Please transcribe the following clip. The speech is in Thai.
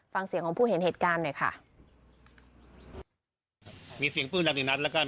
ฟังเสียงของผู้เห็นเหตุการณ์หน่อยค่ะ